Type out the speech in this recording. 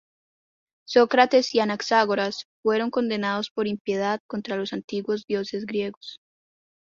Sócrates y Anaxágoras fueron condenados por impiedad contra los antiguos dioses griegos.